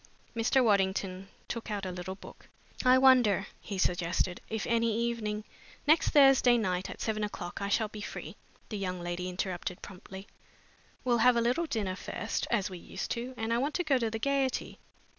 Mr. Waddington took out a little book. "I wonder," he suggested, "if any evening " "Next Thursday night at seven o'clock, I shall be free," the young lady interrupted promptly. "We'll have a little dinner first, as we used to, and I want to go to the Gaiety.